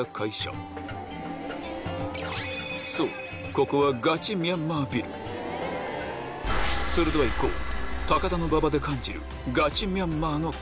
ここはそれではいこう！